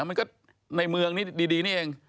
มันก็ในเมืองนี่ดีนี่เอง